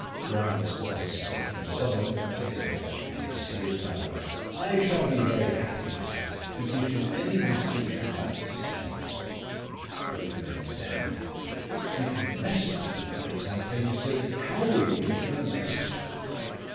Grant's voice struck in sudden and clear, like a steel bell: "I shall be very happy," he said, "to give him any message you like to send." Both men stared at him. "Give him a message?" they cried simultaneously. "How will you give him a message?"